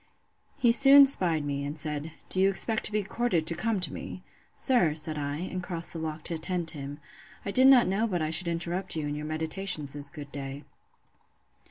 He soon 'spied me, and said, Do you expect to be courted to come to me? Sir, said I, and crossed the walk to attend him, I did not know but I should interrupt you in your meditations this good day.